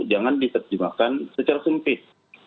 jangan dipertimbangkan secara sempit